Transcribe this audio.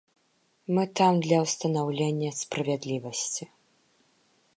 Мы там для ўстанаўлення справядлівасці.